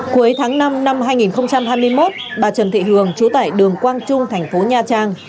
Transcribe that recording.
cuối tháng năm năm hai nghìn hai mươi một bà trần thị hường chú tải đường quang trung thành phố nha trang